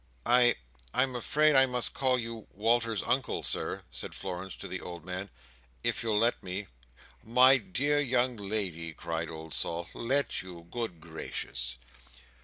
"I—I am afraid I must call you Walter's Uncle, Sir," said Florence to the old man, "if you'll let me." "My dear young lady," cried old Sol. "Let you! Good gracious!"